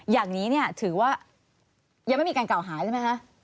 อย่างนี้เนี่ยถือว่ายังไม่มีการกล่าวหาใช่ไหมคะ